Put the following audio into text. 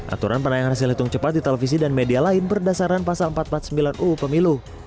aturan penayangan hasil hitung cepat di televisi dan media lain berdasarkan pasal empat ratus empat puluh sembilan uu pemilu